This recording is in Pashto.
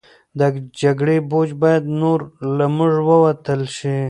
د جګړې بوج باید نور له موږ وتل شي.